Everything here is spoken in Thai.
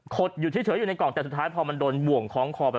ดอยู่เฉยอยู่ในกล่องแต่สุดท้ายพอมันโดนบ่วงคล้องคอไป